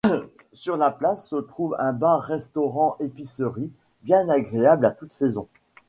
Sur la place se trouve un bar-restaurant épicerie, bien agréable à toutes saisons.